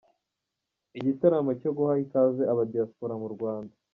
Igitaramo cyo guha ikaze aba Diaspora mu Rwanda.